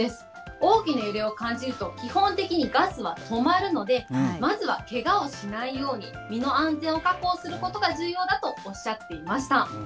大きな揺れを感じると、基本的にガスは止まるので、まずはけがをしないように、身の安全を確保することが重要だとおっしゃっていました。